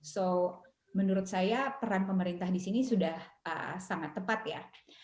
so menurut saya peran pemerintah di sini sudah sangat tepat ya